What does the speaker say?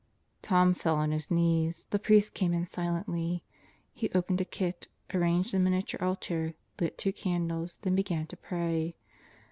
Tom fell on his knees. The priest came in silently. He opened a kit; arranged a miniature altar; lit two candles, then began to pray.